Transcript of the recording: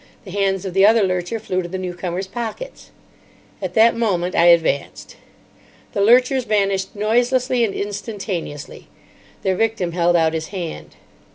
The hands of the other lurcher flew to the newcomer's pockets. At that moment I advanced. The lurchers vanished noiselessly and instantaneously. Their victim held out his hand.